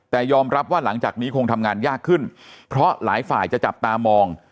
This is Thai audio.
แต่ยอมรับว่าหลังจากนี้คงทำงานยากขึ้นเพราะหลายฝ่ายจะจับตามอง